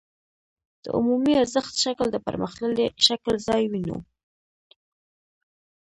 د عمومي ارزښت شکل د پرمختللي شکل ځای ونیو